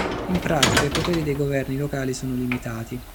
In pratica, i poteri dei governi locali sono limitati.